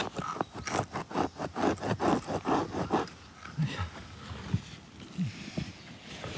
よいしょ。